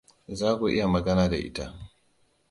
Za ku iya magana da ita.